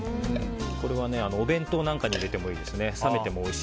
これはお弁当なんかに入れてもいいですね。